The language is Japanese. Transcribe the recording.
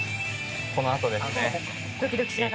このあとですね。